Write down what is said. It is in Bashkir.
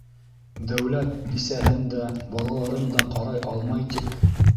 Дәүләт бисәһен дә, балаларын да ҡарай алмай тип.